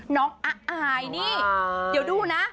น้องอายนี่เดี๋ยวดูนะ